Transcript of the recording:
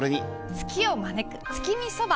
ツキを招く月見そば！